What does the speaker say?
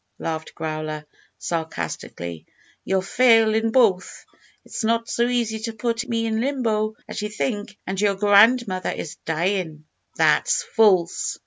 laughed Growler, sarcastically, "you'll fail in both. It's not so easy to put me in limbo as you think and your grandmother is dyin'." "That's false!"